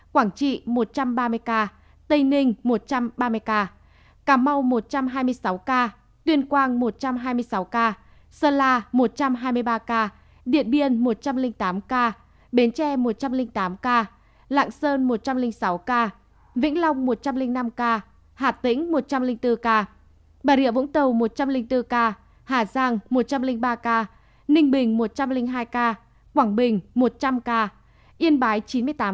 quảng trị một trăm ba mươi ca tây ninh một trăm ba mươi ca cà mau một trăm hai mươi sáu ca tuyên quang một trăm hai mươi sáu ca sơn la một trăm hai mươi ba ca điện biên một trăm linh tám ca bến tre một trăm linh tám ca lạng sơn một trăm linh sáu ca vĩnh long một trăm linh năm ca hà tĩnh một trăm linh bốn ca bà rịa vũng tàu một trăm linh bốn ca hà giang một trăm linh ba ca ninh bình một trăm linh hai ca quảng bình một trăm linh ca yên bái chín mươi tám ca